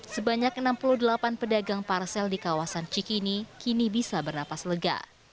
sebanyak enam puluh delapan pedagang parsel di kawasan cikini kini bisa bernapas lega